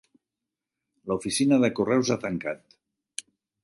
La oficina de correus ha tancat.